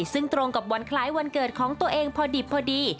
ซึ่งตรงกับวันคล้ายวันเกิดของตัวเองพอดิบพอดี